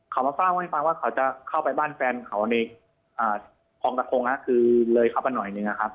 เขามาเล่าให้ฟังว่าเขาจะเข้าไปบ้านแฟนเขาในคลองตะคงคือเลยเข้าไปหน่อยหนึ่งนะครับ